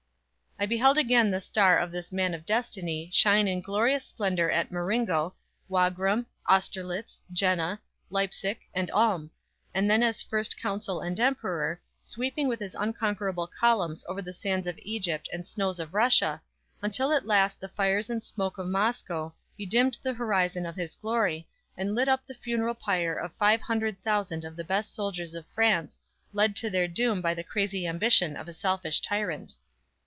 I beheld again the star of this "man of destiny" shine in glorious splendor at Maringo, Wagram, Austerlitz, Jena, Leipsic and Ulm, and then as First Consul and Emperor, sweeping with his unconquerable columns over the sands of Egypt and snows of Russia, until at last the fires and smoke of Moscow bedimmed the horizon of his glory, and lit up the funeral pyre of five hundred thousand of the best soldiers of France, led to their doom by the crazy ambition of a selfish tyrant!